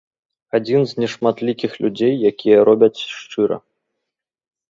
Адзін з нешматлікіх людзей, якія робяць шчыра.